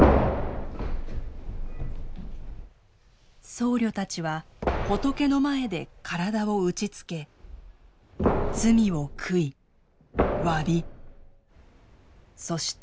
僧侶たちは仏の前で体を打ちつけ罪を悔い詫びそして祈ります。